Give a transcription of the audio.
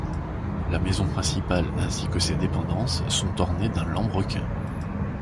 La maison principale ainsi que ses dépendances sont ornées d'un lambrequin.